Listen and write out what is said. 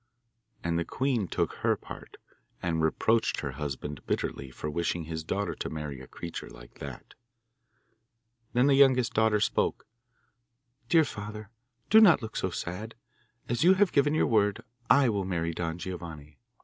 And the queen took her part, and reproached her husband bitterly for wishing his daughter to marry a creature like that. Then the youngest daughter spoke: 'Dear father, do not look so sad. As you have given your word, I will marry Don Giovanni.